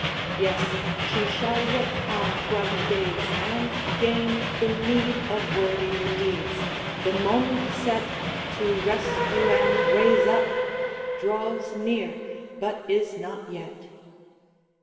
Yes, she shall look on brighter days and gain The meed of worthier deeds; the moment set To rescue and raise up, draws near but is not yet.